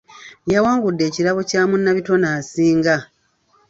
Yawangudde ekirabo kya munnabitone asinga.